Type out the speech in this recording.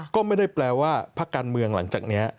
ก็ไม่ได้แปลว่าพักการเมืองหลังจากนี้